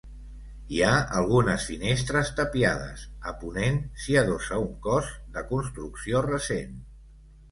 Hi ha algunes finestres tapiades, a ponent s'hi adossa un cos de construcció recent.